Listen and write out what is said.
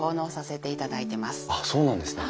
あっそうなんですね。